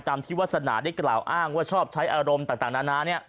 ที่วาสนาได้กล่าวอ้างว่าชอบใช้อารมณ์ต่างนานา